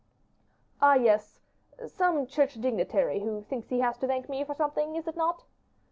"Ah, yes! some church dignitary, who thinks he has to thank me for something, is it not?"